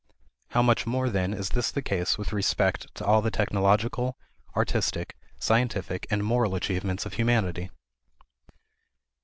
How much more, then, is this the case with respect to all the technological, artistic, scientific, and moral achievements of humanity!